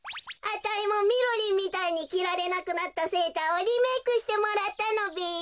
あたいもみろりんみたいにきられなくなったセーターをリメークしてもらったのべ。